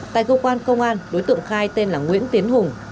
tại cơ quan công an đối tượng khai tên là nguyễn tiến hùng